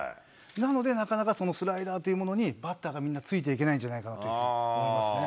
なのでなかなかそのスライダーというものにバッターがみんなついていけないんじゃないかなと思いますね。